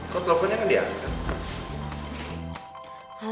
kok teleponnya gak diangkat